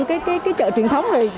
cái chợ truyền thống này